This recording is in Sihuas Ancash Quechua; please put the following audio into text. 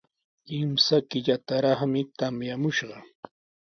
Kimsa killataraqmi tamyamushqa.